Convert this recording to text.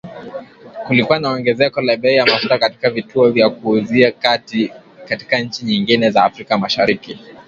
Kulikuwa na ongezeko la bei ya mafuta katika vituo vya kuuzia katika nchi nyingine za Afrika Mashariki